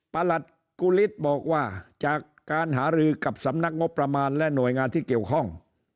ประหลัดกุฤทธิ์บอกว่าจากการหารือกับสำนักงบประมาณและหน่วยงานที่เกี่ยวข้อง